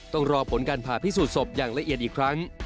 ต้องรอผลการผ่าพิสูจนศพอย่างละเอียดอีกครั้ง